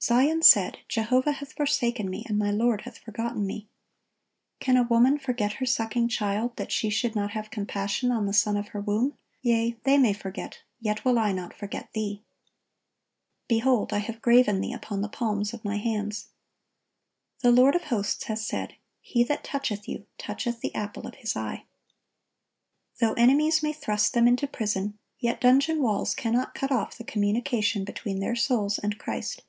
"Zion said, Jehovah hath forsaken me, and my Lord hath forgotten me. Can a woman forget her sucking child, that she should not have compassion on the son of her womb? yea, they may forget, yet will I not forget thee. Behold, I have graven thee upon the palms of My hands."(1069) The Lord of hosts has said, "He that toucheth you, toucheth the apple of His eye."(1070) Though enemies may thrust them into prison, yet dungeon walls cannot cut off the communication between their souls and Christ.